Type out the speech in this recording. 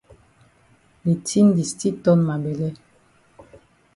De tin di still ton ma bele.